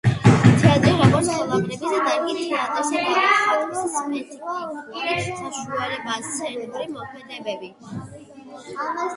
თეატრი, როგორც ხელოვნების დარგი. თეატრის გამოხატვის სპეციფიკური საშუალებაა სცენური მოქმედებები